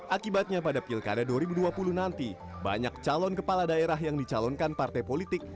akibatnya pada pilkada dua ribu dua puluh nanti banyak calon kepala daerah yang dicalonkan partai politik